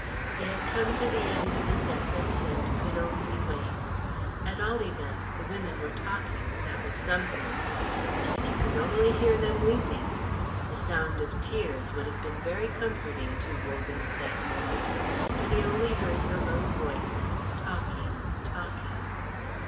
He had come to the end of his efforts and could only wait. At all events, the women were talking, that was something; if he could only hear them weeping! The sound of tears would have been very comforting to Wogan at that moment, but he only heard the low voices talking, talking.